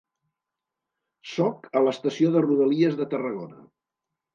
Soc a l'Estació de rodalies de Tarragona.